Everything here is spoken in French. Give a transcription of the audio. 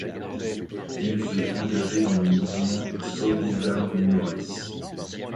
Il fut engagé dans le mouvement Solidarność.